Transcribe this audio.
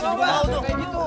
juga mau tuh kayak gitu